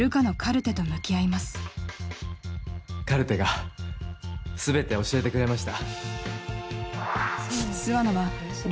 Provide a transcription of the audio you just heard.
カルテが全て教えてくれました。